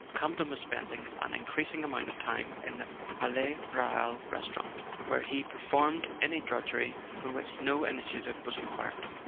Campton was spending an increasing amount of time in the Palais Royal restaurant, where he performed any drudgery for which no initiative was required.